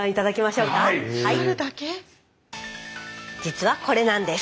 実はこれなんです。